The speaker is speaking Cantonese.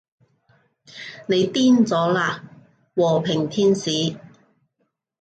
你癲咗喇，和平天使